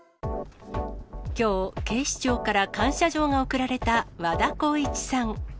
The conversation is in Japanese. きょう、警視庁から感謝状が贈られた和田浩一さん。